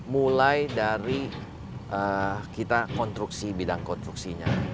mulai dari kita konstruksi bidang konstruksinya